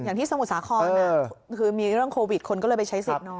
อย่างที่สมุทรสาของนะคือมีเรื่องโควิดคนก็เลยไปใช้เสร็จนอน